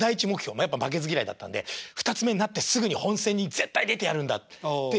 やっぱ負けず嫌いだったんで二つ目になってすぐに本選に絶対出てやるんだっていう思いで。